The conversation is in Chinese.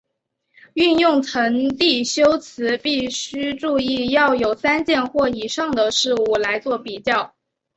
运用层递修辞必须注意要有三件或以上的事物来作比较。